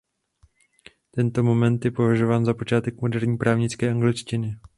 Tento moment je považován za počátek moderní právnické angličtiny.